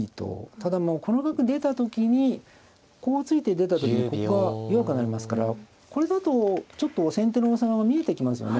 ただもうこの角出た時にこう突いて出た時にここが弱くなりますからこれだとちょっと先手の王様が見えてきますよね。